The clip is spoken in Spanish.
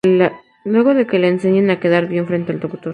Luego de que le enseñen a quedar bien frente al Dr.